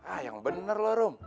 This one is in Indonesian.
ah yang bener loh room